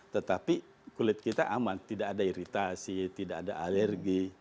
tetapi kulit kita aman tidak ada iritasi tidak ada alergi